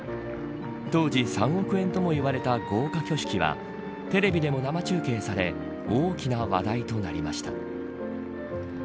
当時、３億円ともいわれた豪華挙式はテレビでも生中継され大きな話題となりました。